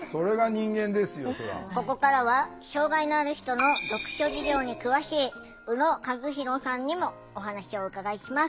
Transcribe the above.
ここからは障害のある人の読書事情に詳しい宇野和博さんにもお話をお伺いします。